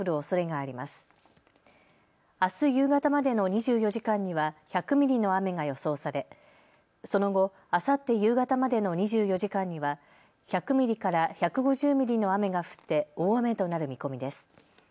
あす夕方までの２４時間には１００ミリの雨が予想されその後、あさって夕方までの２４時間には１００ミリから１５０ミリの雨が降って大雨となる見込みです。